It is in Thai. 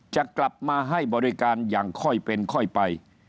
จะกลับมาให้บริการอย่างค่อยเป็นค่อยไป